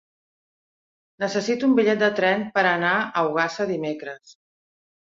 Necessito un bitllet de tren per anar a Ogassa dimecres.